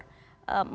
masihkah menurut anda